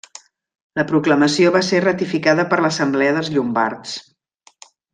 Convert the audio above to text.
La proclamació va ser ratificada per l'assemblea dels llombards.